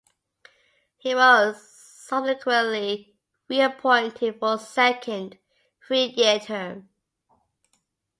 He was subsequently reappointed for a second three-year term.